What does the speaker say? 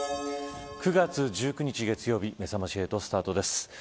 ９月１９日月曜日めざまし８スタートです。